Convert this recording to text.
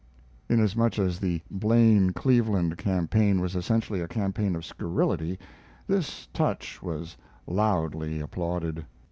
Inasmuch as the Blaine Cleveland campaign was essentially a campaign of scurrility, this touch was loudly applauded.